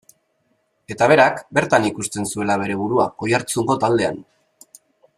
Eta berak, bertan ikusten zuela bere burua, Oiartzungo taldean.